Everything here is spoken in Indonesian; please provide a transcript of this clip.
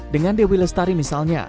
dengan dewi lestari misalnya